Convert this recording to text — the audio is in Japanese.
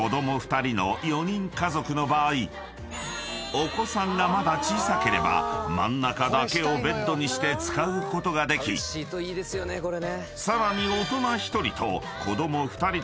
［お子さんがまだ小さければ真ん中だけをベッドにして使うことができさらに］